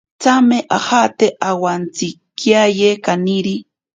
Tsame ajate owantsikiaye kaniri.